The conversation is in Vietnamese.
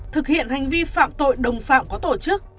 thực hiện hành vi phạm tội đồng phạm có tổ chức